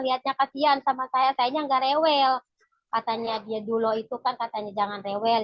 niatnya kasian sama saya kayaknya enggak rewel katanya dia dulu itu kan katanya jangan rewel